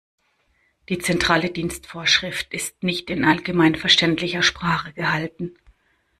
Die Zentrale Dienstvorschrift ist nicht in allgemeinverständlicher Sprache gehalten.